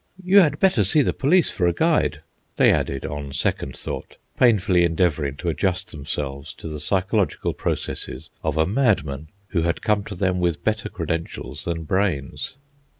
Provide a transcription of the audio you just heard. "You had better see the police for a guide," they added, on second thought, painfully endeavouring to adjust themselves to the psychological processes of a madman who had come to them with better credentials than brains.